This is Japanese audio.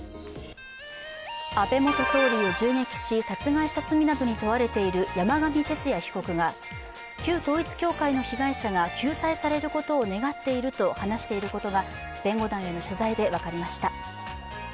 安倍元総理を銃撃し、殺害した罪などに問われている山上徹也被告が旧統一教会の被害者が救済されることを願っていると話していることが弁護団への取材で分かりました。